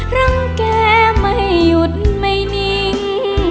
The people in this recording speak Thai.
รังแกไม่หยุดไม่นิ่ง